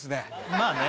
まあね